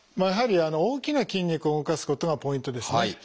やはり大きな筋肉を動かすことがポイントですね。